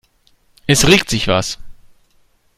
Es regt sich was.